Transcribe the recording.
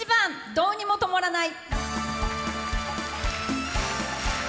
「どうにもとまらない」。